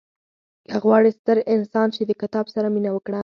• که غواړې ستر انسان شې، د کتاب سره مینه وکړه.